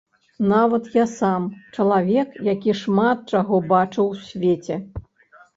Нават я сам, чалавек, які шмат чаго бачыў у свеце.